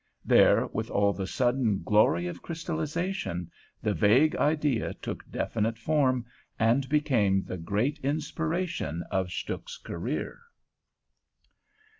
There, with all the sudden glory of crystallization, the vague idea took definite form and became the great inspiration of Stuhk's career.